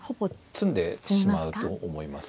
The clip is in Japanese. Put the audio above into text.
詰んでしまうと思います。